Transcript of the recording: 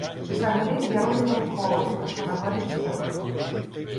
Взагалі, в яру літом холод, хоча нагорі і спека.